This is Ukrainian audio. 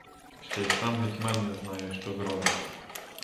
Ще й сам гетьман не знає, що зробить.